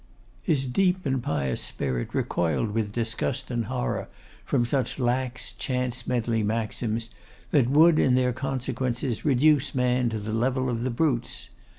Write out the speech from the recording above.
His deep and pious spirit recoiled with disgust and horror from such lax, chance medley maxims, that would, in their consequences, reduce man to the level of the brutes.